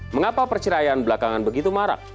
mengapa perceraian belakangan begitu marak